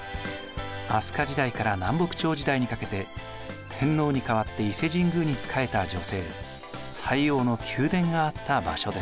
飛鳥時代から南北朝時代にかけて天皇に代わって伊勢神宮に仕えた女性斎王の宮殿があった場所です。